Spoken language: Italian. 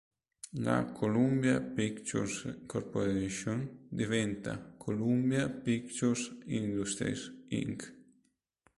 La Columbia Pictures Corporation diventa Columbia Pictures Industries, Inc.